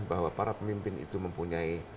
bahwa para pemimpin itu mempunyai